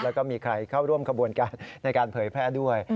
แล้วก็มีใครเข้าร่วมขบวนการในการเผยแพร่ด้วย